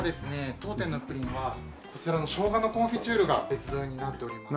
当店のプリンはこちらのしょうがのコンフィチュールが別添えになっておりまして。